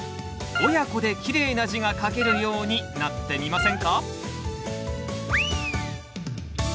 親子できれいな字が書けるようになってみませんか？